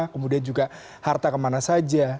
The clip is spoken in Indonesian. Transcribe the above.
kemudian juga harta kemana saja